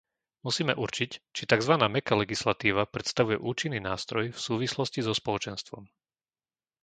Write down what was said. Musíme určiť, či takzvaná mäkká legislatíva predstavuje účinný nástroj v súvislosti so Spoločenstvom.